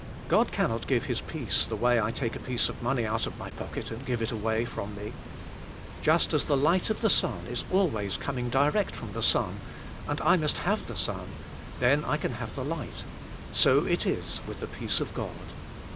God cannot give His peace the way I take a piece of money out of my pocket and gire it away from me. Just as the light of the sun is always coming direct from the sun, and I must have the sun^ then I can have the light; so it is with the peace of God.